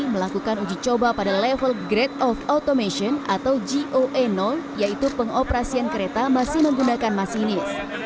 melakukan uji coba pada level grade of automation atau goe yaitu pengoperasian kereta masih menggunakan masinis